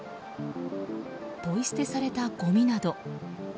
ポイ捨てされたごみなど。